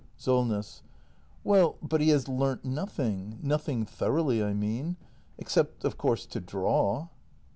Solness. Well, but he has learnt nothing— nothing thoroughly, I mean. Except, of course, to draw.